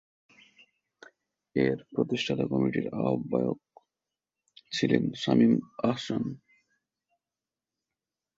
এর প্রতিষ্ঠাতা কমিটির আহবায়ক ছিলেন শামীম আহসান।